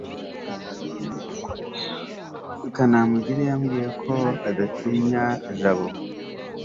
kanamugire yambwiye ko adatinya jabo